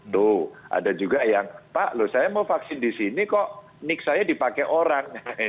tuh ada juga yang pak loh saya mau vaksin di sini kok nik saya dipakai orang